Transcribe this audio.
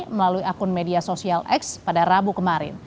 melalui akun media sosial x pada rabu kemarin